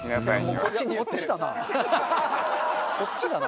こっちだな。